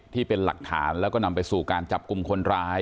ที่เป็นหลักฐานแล้วก็นำไปสู่การจับกลุ่มคนร้าย